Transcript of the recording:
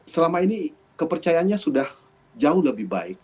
selama ini kepercayaannya sudah jauh lebih baik